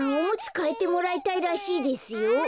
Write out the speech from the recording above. おむつかえてもらいたいらしいですよ。